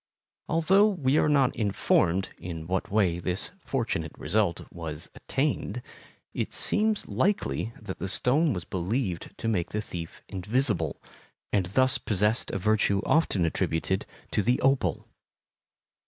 Although we are not informed in what way this fortunate result was attained, it seems likely that the stone was believed to make the thief invisible, and thus possessed a virtue often attributed to the opal.